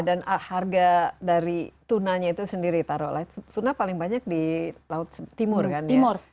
dan harga dari tunanya itu sendiri taruh tuna paling banyak di timur kan ya